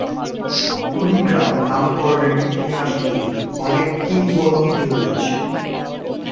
কুড়িগ্রাম নামকরণের ইতিহাস নিয়ে অনেক কিংবদন্তি রয়েছে।